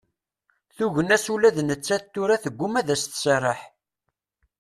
Tugna-s ula d nettat tura tegguma ad as-tesserḥ.